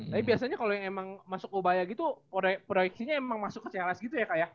tapi biasanya kalau yang emang masuk obaya gitu proyeksinya emang masuk ke cls gitu ya kak ya